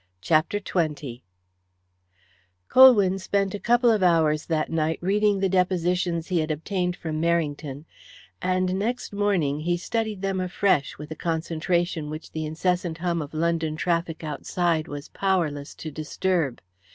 CHAPTER XX Colwyn spent a couple of hours that night reading the depositions he had obtained from Merrington, and next morning he studied them afresh with a concentration which the incessant hum of London traffic outside was powerless to disturb.